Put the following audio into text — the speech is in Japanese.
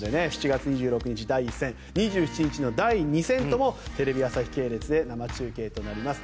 月２６日第１戦２７日の第２戦ともテレビ朝日系列で生中継となります。